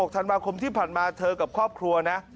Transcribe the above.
ธันวาคมที่ผ่านมาเธอกับครอบครัวนะ